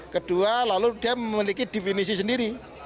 kedua lalu dia memiliki definisi sendiri